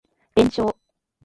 連勝